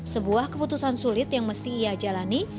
sebuah keputusan sulit yang mesti ia jalani